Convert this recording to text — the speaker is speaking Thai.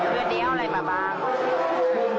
เยอะดียาขออะไรมาบาง